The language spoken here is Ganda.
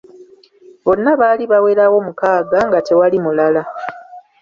Bonna baali bawerawo mukaaga nga tewali mulala.